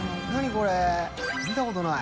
これ見たことない。